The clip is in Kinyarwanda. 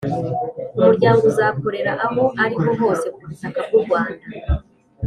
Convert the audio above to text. Umuryango uzakorera aho ari ho hose ku butaka bw’ u Rwanda